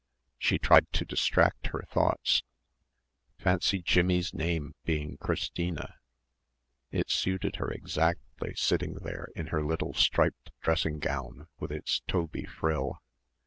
She tried to distract her thoughts.... Fancy Jimmie's name being Christina.... It suited her exactly sitting there in her little striped dressing gown with its "toby" frill.